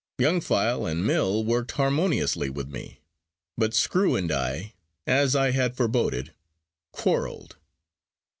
Young File and Mill worked harmoniously with me, but Screw and I (as I had foreboded) quarreled.